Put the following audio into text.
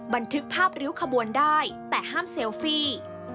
บันทึกภาพริ้วขบวนได้แต่ห้ามเซลฟี่